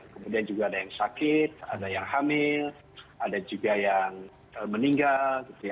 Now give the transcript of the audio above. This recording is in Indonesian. kemudian juga ada yang sakit ada yang hamil ada juga yang meninggal